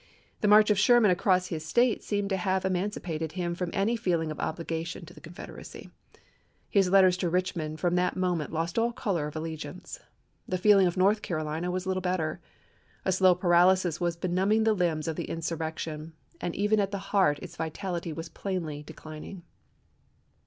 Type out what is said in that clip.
The march of Sherman across his State seemed to have emancipated him from any feeling of obligation to the Confederacy. His letters to Eichmond from that moment lost all color of allegiance. The feeling in North Carolina was little better. A slow paralysis was benumbing FIVE FORKS 153 the limbs of the insurrection, and even at the heart chap. vni. its vitality was plainly declining.